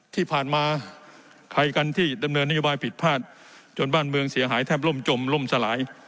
ที่ผ่านมาใครกันที่ดำเนินนโยบายผิดพลาดจนบ้านเมืองเสียหายแทบล่มจมล่มสลาย